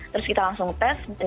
terus kita langsung tes